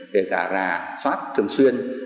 kể cả ra xoát thường xuyên